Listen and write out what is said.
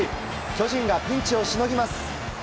巨人がピンチをしのぎます。